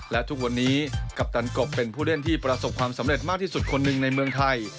และทุกวันนี้กัปตันกบเป็นผู้เล่นที่ประสบความสำเร็จมากที่สุดคนหนึ่งในเมืองไทย